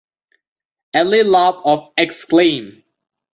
Aly Laube of Exclaim!